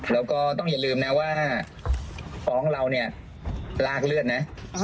แล้วก็ต้องอย่าลืมนะว่าฟ้องเราเนี่ยลากเลือดนะ